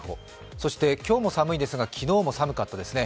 そして今日も寒いですが、昨日も寒かったですね。